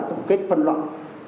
tổng kết phân loạn